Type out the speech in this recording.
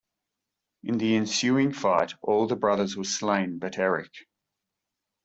In the ensuing fight all the brothers were slain but Eric.